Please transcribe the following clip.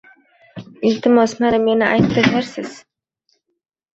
Iltimos. Mana, meni aytdi dersiz.